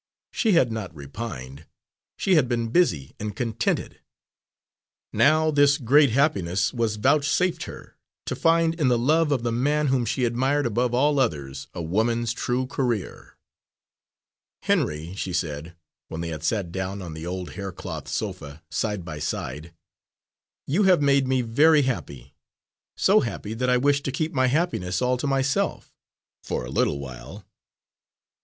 She had not repined; she had been busy and contented. Now this great happiness was vouchsafed her, to find in the love of the man whom she admired above all others a woman's true career. "Henry," she said, when they had sat down on the old hair cloth sofa, side by side, "you have made me very happy; so happy that I wish to keep my happiness all to myself for a little while.